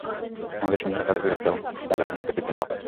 আমাদের সৈন্যরা তাদের বীরত্ব এবং চালের সম্মুখে টিকতে নাও পারে।